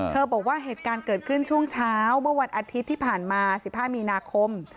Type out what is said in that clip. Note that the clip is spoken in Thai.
บอกว่าเหตุการณ์เกิดขึ้นช่วงเช้าเมื่อวันอาทิตย์ที่ผ่านมา๑๕มีนาคม